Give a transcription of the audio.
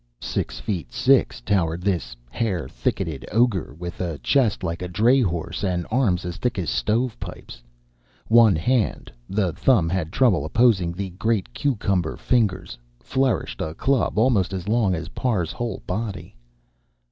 Six feet six towered this hair thicketed ogre, with a chest like a drayhorse, and arms as thick as stovepipes. One hand the thumb had trouble opposing the great cucumber fingers flourished a club almost as long as Parr's whole body.